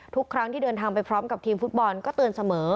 ทุกครั้งที่เดินทางไปพร้อมกับทีมฟุตบอลก็เตือนเสมอ